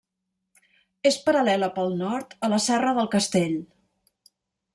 És paral·lela pel nord a la Serra del Castell.